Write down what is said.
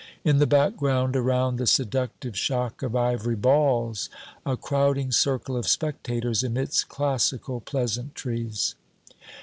In the background, around the seductive shock of ivory balls, a crowding circle of spectators emits classical pleasantries.